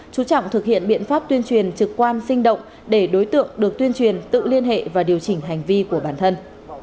chú trọng thực hiện biện pháp tuyên truyền trực quan sinh động để đối tượng được tuyên truyền tự liên hệ và điều chỉnh hành vi của bản thân